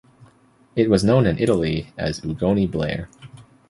It was known in Italy as Ugone Blair.